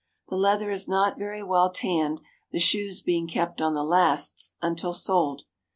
The leather is not very well tanned, the shoes being kept on the lasts until sold.